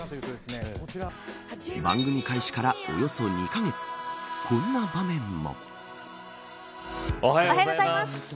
番組開始からおよそ２カ月こんな場面も。